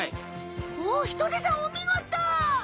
おっヒトデさんおみごと！